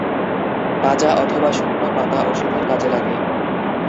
তাজা অথবা শুকনো পাতা ওষুধের কাজে লাগে।